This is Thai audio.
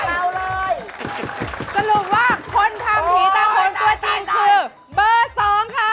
สรุปว่าคนทำผีต่างคนตัวจริงคือเบอร์๒ค่ะ